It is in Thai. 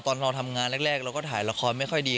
ตอนเราทำงานแรกเราก็ถ่ายละครไม่ค่อยดี